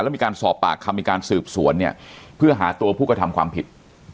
แล้วมีการสอบปากคำมีการสืบสวนเนี่ยเพื่อหาตัวผู้กระทำความผิด